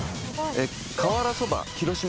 瓦そば広島？